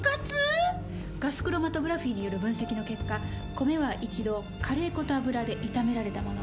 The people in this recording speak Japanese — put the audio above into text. ガスクロマトグラフィーによる分析の結果米は一度カレー粉と油で炒められたもの。